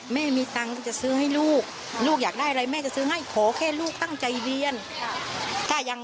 แม่มีตังค์ที่จะซื้อให้ลูกลูกอยากได้อะไรแม่จะซื้อให้ขอแค่ลูกตั้งใจเรียน